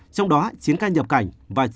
trong đó chín ca nhập cảnh và chín ca